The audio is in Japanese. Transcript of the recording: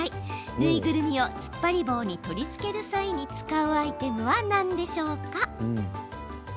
縫いぐるみをつっぱり棒に取り付ける際に使うアイテムは何でしょう？